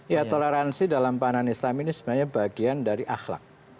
ya toleransi dalam pandangan islam ini sebenarnya bagian dari akhlak